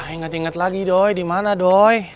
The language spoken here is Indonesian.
ingat ingat lagi doi dimana doi